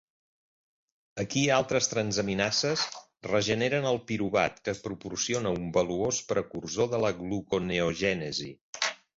Aquí altres transaminases regeneren el piruvat, que proporciona un valuós precursor de la gluconeogènesi.